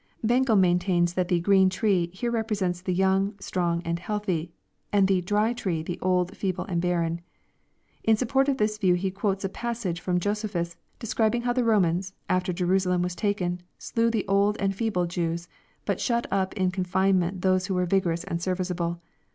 Bengel maintains that the "green tree" here represents the young, strong, and healthy, — and the " dry tree" tlie old, feeble, and barren. In support of this view he quotes a passage from Josephus, describing how the Romans, after Jerusalem was taken, dew the old and feeble Jews, but shut up in confinement those who were vigorous and serviceable.